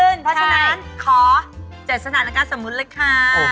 เพราะฉะนั้นขอ๗สถานการณ์สมมุติเลยค่ะ